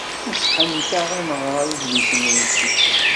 Neṣṣḥent-aɣ ad nɣer idlisen-nsent.